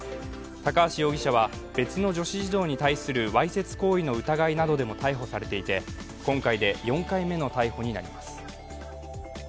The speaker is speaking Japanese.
高橋容疑者は別の女子児童に対するわいせつ行為の疑いなどでも逮捕されていて、今回で４回目の逮捕になります。